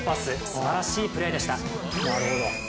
すばらしいプレーでした。